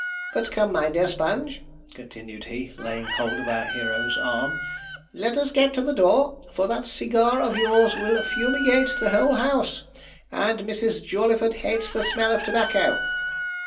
But come, my dear Mr. Sponge,' continued he, laying hold of our hero's arm, 'let us get to the door, for that cigar of yours will fumigate the whole house; and Mrs. Jawleyford hates the smell of tobacco.'